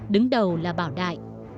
đứng đầu là bảo đại